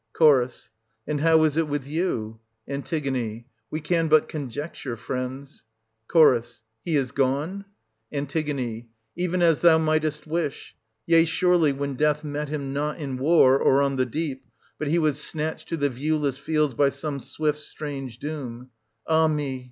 Ch. And how is it with you? An. We can but conjecture, friends. Ch. He is gone? An. Even as thou mightest wish: yea, surely, when death met him not in war, or 1680 on the deep, but he was snatched to the viewless fields by some swift, strange doom. Ah me